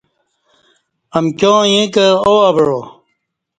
امکیاں ییں کہ او اوعا